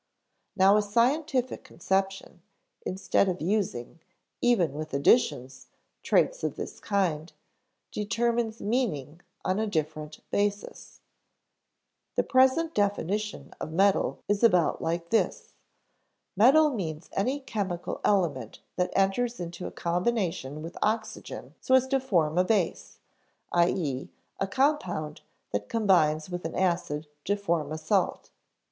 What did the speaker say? Now a scientific conception, instead of using, even with additions, traits of this kind, determines meaning on a different basis. The present definition of metal is about like this: Metal means any chemical element that enters into combination with oxygen so as to form a base, i.e. a compound that combines with an acid to form a salt.